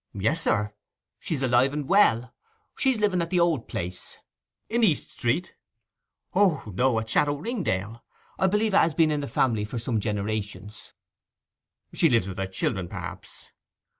'Yes, sir, she's alive and well. She's living at the old place.' 'In East Street?' 'O no; at Château Ringdale. I believe it has been in the family for some generations.' 'She lives with her children, perhaps?